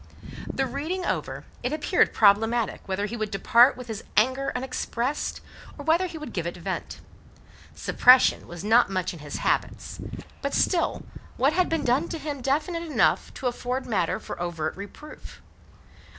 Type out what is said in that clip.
The reading over, it appeared problematic whether he would depart with his anger unexpressed, or whether he would give it vent. Suppression was not much in his habits; but still, what had been done to him definite enough to afford matter for overt reproof?